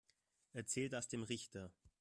Erzähl das dem Richter.